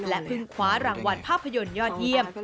เพิ่งคว้ารางวัลภาพยนตร์ยอดเยี่ยม